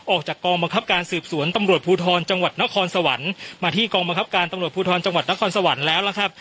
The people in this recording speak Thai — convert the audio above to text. ออกจากกองบังคับการสืบสวนตำรวจภูทรจังหวัดนครสวรรค์มาที่กองบังคับการตำรวจภูทรจังหวัดนครสวรรค์แล้วล่ะครับ